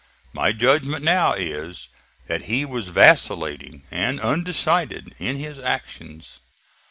My judgment now is that he was vacillating and undecided in his actions.